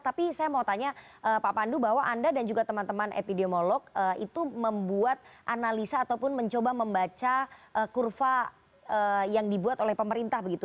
tapi saya mau tanya pak pandu bahwa anda dan juga teman teman epidemiolog itu membuat analisa ataupun mencoba membaca kurva yang dibuat oleh pemerintah begitu